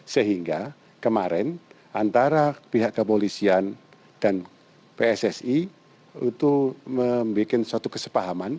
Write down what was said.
sehingga kemarin antara pihak kepolisian dan pssi itu membuat suatu kesepahaman